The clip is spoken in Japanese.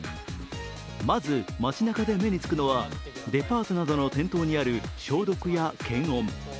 まず街なかで目につくのはデパートの店頭などの消毒や検温。